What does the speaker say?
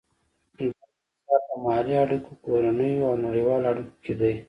دا انحصار په محلي اړیکو، کورنیو او نړیوالو اړیکو کې دی.